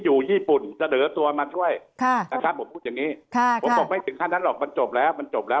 ผมพูดไม่ถึงขั้นทั้งหรอกมันจบแล้ว